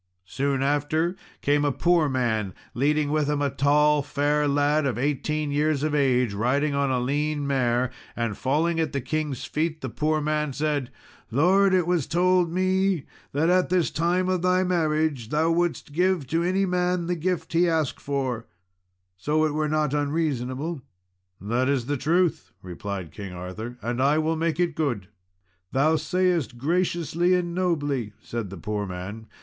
Soon after came a poor man, leading with him a tall fair lad of eighteen years of age, riding on a lean mare. And falling at the king's feet, the poor man said, "Lord, it was told me, that at this time of thy marriage thou wouldst give to any man the gift he asked for, so it were not unreasonable." "That is the truth," replied King Arthur, "and I will make it good." "Thou sayest graciously and nobly," said the poor man.